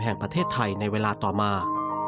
แห่งประเทศไทยในเวลาต่อมา